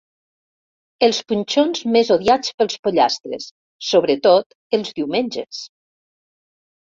Els punxons més odiats pels pollastres, sobretot els diumenges.